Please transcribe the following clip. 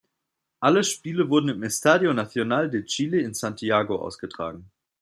Alle Spiele wurden im Estadio Nacional de Chile in Santiago ausgetragen.